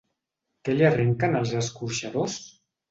Què li arrenquen els escorxadors?